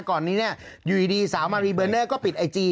ก่อนนี้เนี่ยอยู่ดีสาวมารีเบอร์เนอร์ก็ปิดไอจี